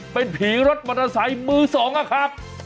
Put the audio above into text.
เป็นผีรถมันาสัยมือสองอะค่ะ